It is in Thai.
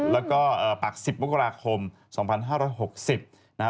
แล้วก็ปัก๑๐มกราคม๒๕๖๐นะฮะ